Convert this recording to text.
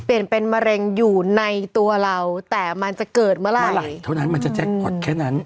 เปลี่ยนเป็นมะเร็งอยู่ในตัวเราแต่มันจะเกิดเมื่อไหร่เท่านั้นมันจะแจ็คพอร์ตแค่นั้น